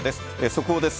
速報です。